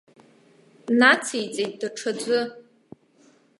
Нациҵеит даҽаӡәы.